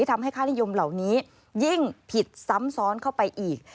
ทำให้ค่านิยมเหล่านี้ยิ่งผิดซ้ำซ้อนเข้าไปอีก